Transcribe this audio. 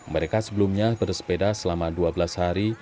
mereka sebelumnya bersepeda selama dua belas hari